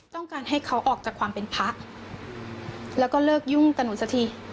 ต้องการให้เขาออกจากความเป็นพระแล้วก็เลิกยุ่งกับหนูสักที